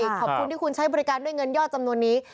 ขอบคุณที่คุณใช้บริการด้วยเงินยอดจำนวนนี้